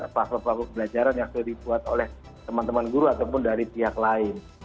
platform pembelajaran yang sudah dibuat oleh teman teman guru ataupun dari pihak lain